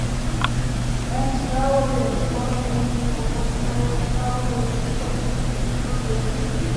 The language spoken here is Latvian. Mēs vēlamies pārredzamību, taču mēs vēlamies, lai tas būtu patiesi.